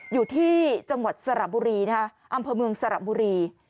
อยู่ที่จังหวัดสระบุรีนะคะอำเภอเมืองสระบุรี